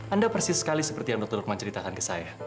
anda persis sekali seperti yang dokter lukman ceritakan ke saya